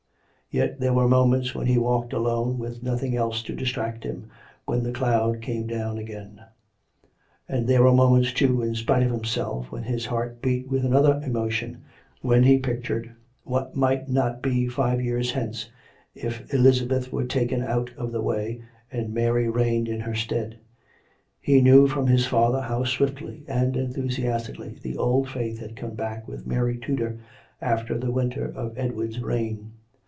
Yet there Were mo ments when he walked alone, with nothing else to dis 270 COME RACK! COME ROPE! 277 tract him, when the cloud came down again ; and there were moments, too, in spite of himself, when his heart beat with another emotion, when he pictured what might not be five years hence, if Elizabeth were taken out of the way and Mary reigned in her stead. He knew from his father how swiftly and enthusiastically the old Faith had come back with Mary Tudor after the winter of Edward's reign.